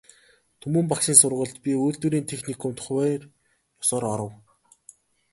Түмэн багшийн сургуульд, би үйлдвэрийн техникумд хувиар ёсоор оров.